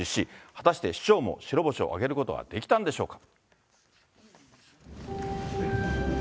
果たして師匠も白星を挙げることはできたんでしょうか。